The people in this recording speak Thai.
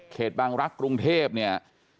เขตบางรักกรุงเทพเนี่ย